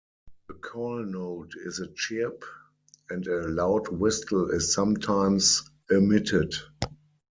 The call note is a chirp, and a loud whistle is sometimes emitted.